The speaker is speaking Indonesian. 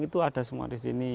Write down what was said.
itu ada semua di sini